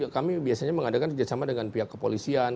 kami biasanya mengadakan kerjasama dengan pihak kepolisian